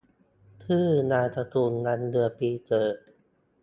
ชื่อนามสกุล วันเดือนปีเกิด